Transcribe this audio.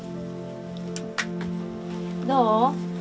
どう？